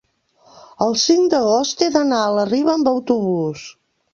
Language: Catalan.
el cinc d'agost he d'anar a la Riba amb autobús.